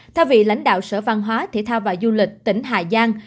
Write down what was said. theo vị lãnh đạo sở văn hóa thể thao và du lịch tỉnh hà giang